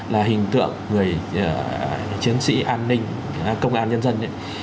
là hình tượng người chiến sĩ an ninh công an nhân dân ấy